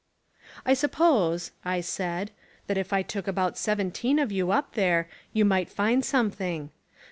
"I suppose," I said, "that if I took about seven teen of you up there you might find something.